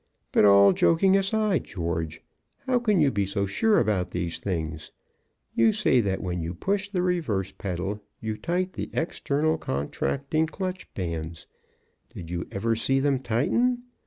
"But, all joking aside, George, how can you be so sure about these things? You say that when you push the reverse pedal you tighten the external contracting clutch bands. Did you ever see them tighten?